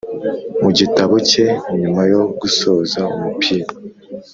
mu gitabo cye nyuma yo gusoza umupira,